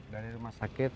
dari rumah sakit